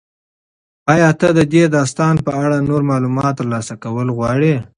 ایا ته د دې داستان په اړه نور معلومات ترلاسه کول غواړې؟